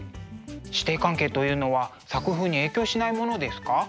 師弟関係というのは作風に影響しないものですか？